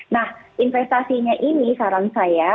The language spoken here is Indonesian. nah investasinya ini saran saya